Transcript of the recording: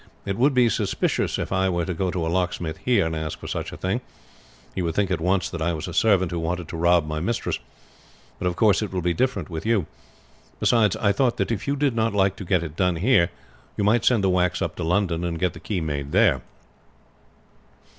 "It would be suspicious if I were to go to a locksmith here and ask for such a thing; he would think at once that I was a servant who wanted to rob my mistress. But of course it will be different with you. Beside, I thought that if you did not like to get it done here, you might send the wax up to London and get the key made there."